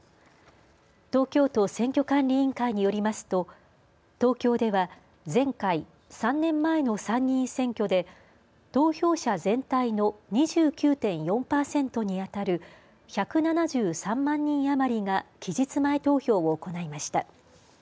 東京都選挙管理委員会によりますと東京では前回３年前の参議院選挙で投票者全体の２９．４％に当たる１７３万人余りが期日前投票を行いました。